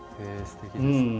すてきですね。